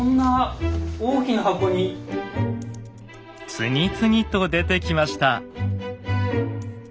次々と出てきました。